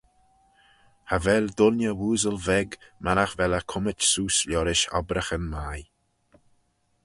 Cha vel dooinney ooasle veg mannagh vel eh cummit seose liorish obbraghyn mie.